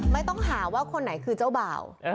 ไม่ต้องหาว่าคนไหนคือเจ้าบ่าว